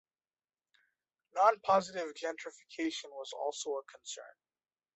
Nonpositive gentrification was also a concern.